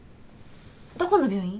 どこの病院？